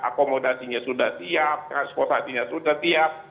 akomodasinya sudah siap transportasinya sudah siap